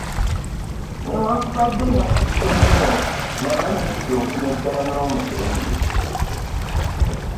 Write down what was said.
Newankubadde nattidde nnyo namalirirdde okumeggana n'omutemu.